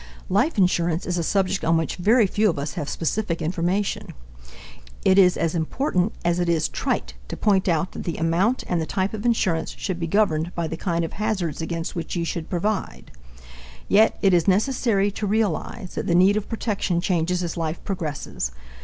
Life insurance is a subject on which very few of us have specific information. It is as important as it is trite to point out that the amount and the type of insurance should be governed by the kind of hazards against which you should provide. Yet it is necessary to realize that the need of protection changes as life progresses.